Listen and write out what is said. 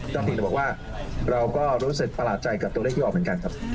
ต้องถึงจะบอกว่าเราก็รู้สึกประหลาดใจกับตัวเลขที่ออกเหมือนกัน